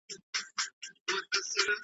د خیالي رباب شرنګی دی تر قیامته په غولیږو .